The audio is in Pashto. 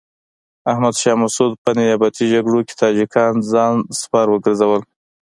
احمد شاه مسعود په نیابتي جګړه کې تاجکان ځان سپر وګرځول.